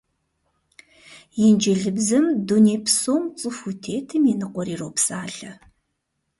Инджылызыбзэм дуней псом цӀыхуу тетым и ныкъуэр иропсалъэ!